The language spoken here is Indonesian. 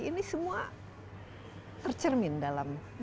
ini semua tercermin dalam